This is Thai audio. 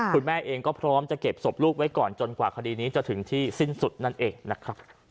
คุณแม่เองก็พร้อมจะเก็บศพลูกไว้ก่อนจนกว่าคดีนี้จะถึงที่สิ้นสุดนั่นเองนะครับ